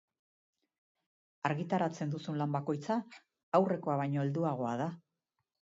Argitaratzen duzun lan bakoitza aurrekoa baino helduagoa da.